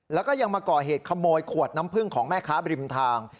แล้วก็ยังมาก่อเหตุขโมยขวดน้ำพึ่งของแม่ค้าบริมทาง